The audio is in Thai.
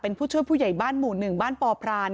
เป็นผู้ช่วยผู้ใหญ่บ้านหมู่๑บ้านปพราน